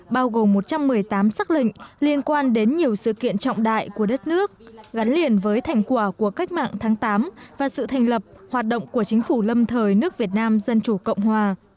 bao gồm một trăm một mươi tám xác lệnh liên quan đến nhiều sự kiện trọng đại của đất nước gắn liền với thành quả của cách mạng tháng tám và sự thành lập hoạt động của chính phủ lâm thời nước việt nam dân chủ cộng hòa